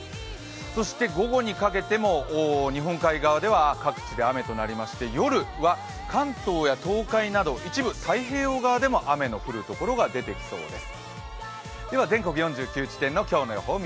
そして午後にかけても日本海側では各地で雨となりまして、夜は関東や東海など一部、太平洋側でも雨の降るところが出てきそうです。